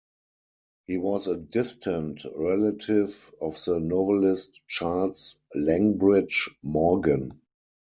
He was a distant relative of the novelist Charles Langbridge Morgan.